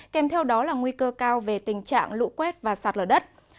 kèm theo đó là nguy cơ cao về tình trạng lũ quét và sạt lở đất